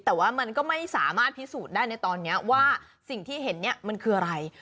แต่ว่ามันก็ไม่สามารถพิสูจน์ได้ในตอนนี้ว่าสิ่งที่เห็นเนี่ยมันคืออะไร